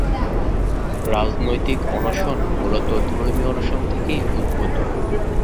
রাজনৈতিক অনশন মূলত ধর্মীয় অনশন থেকেই উদ্ভূত।